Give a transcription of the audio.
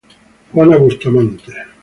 Juana Bustamante.